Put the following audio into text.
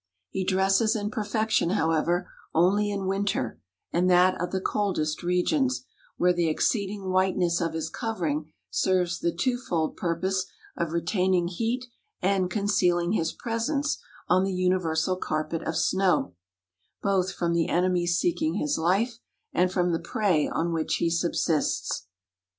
He dresses in perfection, however, only in winter, and that of the coldest regions, where the exceeding whiteness of his covering serves the two fold purpose of retaining heat and concealing his presence on the universal carpet of snow, both from the enemies seeking his life and from the prey on which he subsists.